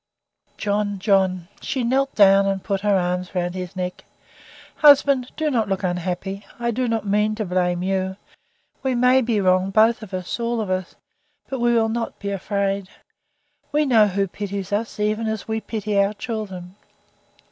"John John" she knelt down and put her arms round his neck. "Husband, do not look unhappy. I did not mean to blame you we may be wrong, both of us all of us. But we will not be afraid. We know Who pities us, even as we pity our children."